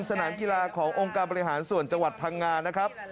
สนามกีฬาขององค์การบริหารส่วนจังหวัดพังงานะครับ